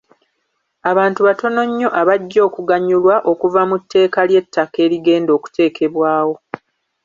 Abantu batono nnyo abajja okuganyulwa okuva mu tteeka ly'etakka erigenda okuteekebwawo.